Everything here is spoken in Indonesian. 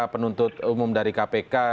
penuntut umum dari kpk